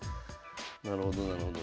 なるほどなるほど。